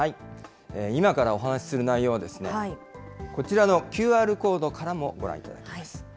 今からお話しする内容は、こちらのＱＲコードからもご覧いただけます。